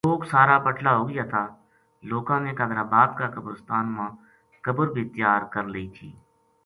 لوک سارا بَٹلا ہو گیا تھا لوکاں نے قادرآباد کا قبرستان ما قبر بے تیا ر کر لئی تھی